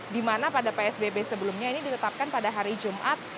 dimana pada psbb sebelumnya ini ditetapkan pada hari jumat